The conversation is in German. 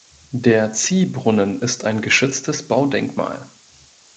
Der Ziehbrunnen ist ein geschütztes Baudenkmal.